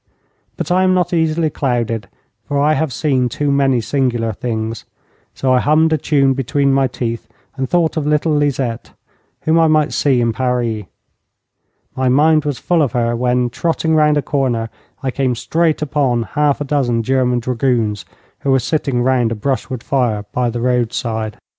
But I am not easily clouded, for I have seen too many singular things, so I hummed a tune between my teeth and thought of little Lisette, whom I might see in Paris. My mind was full of her when, trotting round a corner, I came straight upon half a dozen German dragoons, who were sitting round a brushwood fire by the roadside.